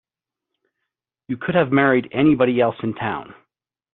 You could have married anybody else in town.